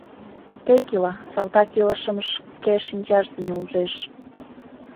Тек ила, салтак илышым шке шинчаж дене ужеш...»